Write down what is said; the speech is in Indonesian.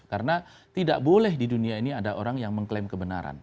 karena tidak boleh di dunia ini ada orang yang mengklaim kebenaran